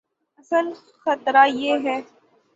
اصل خطرہ یہ ہے۔